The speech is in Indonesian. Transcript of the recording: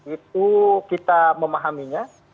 itu kita memahaminya